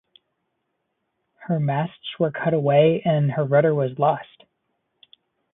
Her masts were cut away and her rudder was lost.